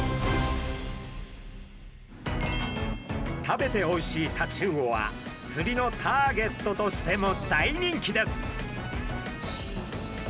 食べておいしいタチウオはつりのターゲットとしても大人気です。